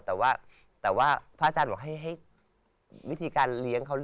แต่ว่าพระอาจารย์บอกให้วิธีการเลี้ยงเขา